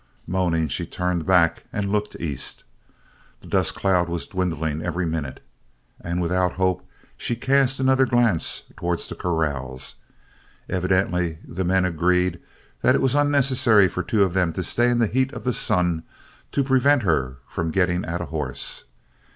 Moaning, she turned back and looked east. The dust cloud was dwindling every minute. And without hope, she cast another glance towards the corrals. Evidently, the men agreed that it was unnecessary for two of them to stay in the heat of the sun to prevent her from getting at a horse.